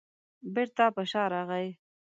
بېرته په شا راغی.